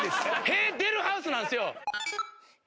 「へー出るハウス」なんですよ。